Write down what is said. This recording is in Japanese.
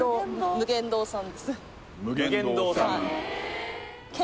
無限堂さん